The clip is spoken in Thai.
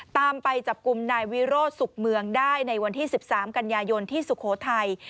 ตามไปจับกลุ่มนายวิโรธสุขเมืองได้ในวันที่๑๓กันยายนที่สุโขทัย